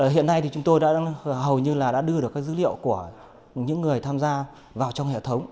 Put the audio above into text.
hiện nay thì chúng tôi hầu như là đã đưa được các dữ liệu của những người tham gia vào trong hệ thống